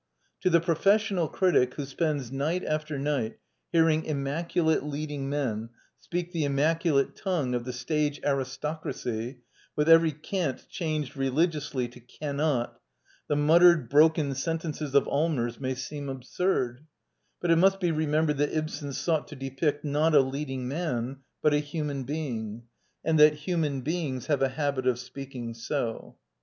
To the professional critic, who spends night after night hearing immaculate leading men speak the immaculate tongue of the stage aristoc racy, with every "can't" changed religiously to " cannot," the muttered, broken sentences of All mers may seem absurd, but it must be remembered that Ibsen sought to depict, not a leading man, but a human being, and that human beings have a habit of speaking so.